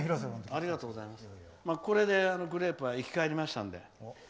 これでグレープは生き返りましたので。